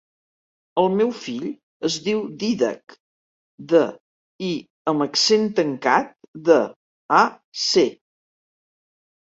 El meu fill es diu Dídac: de, i amb accent tancat, de, a, ce.